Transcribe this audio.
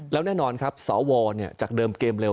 แล้วแน่นอนครับสวจากเดิมเกมเร็ว